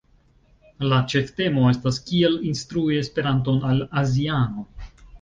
La ĉeftemo estas kiel instrui Esperanton al azianoj.